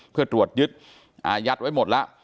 เพื่อตรวจยึดอายัดไว้หมดแล้ว